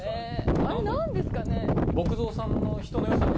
あれ何ですかね？